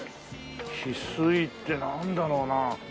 翡翠ってなんだろうな。